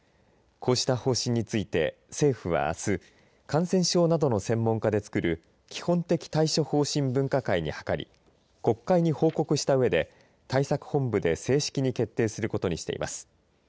こうした方針について政府は、あす感染症などの専門家でつくる基本的対処方針分科会に諮り国会に報告したうえで対策本部で正式に決定することにしています。